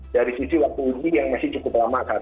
dari sisi waktu uji yang masih diperlukan